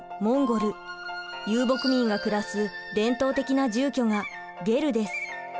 遊牧民が暮らす伝統的な住居がゲルです。